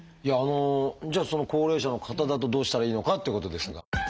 じゃあ高齢者の方だとどうしたらいいのかっていうことですが。